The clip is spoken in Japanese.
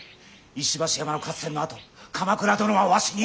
石橋山の合戦のあと鎌倉殿はわしに。